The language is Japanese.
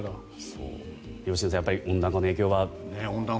良純さん温暖化の影響は。